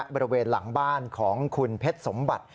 บริเวณหลังบ้านของคุณเพชรสมบัติ